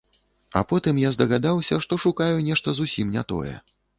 А потым я здагадаўся, што шукаю нешта зусім не тое!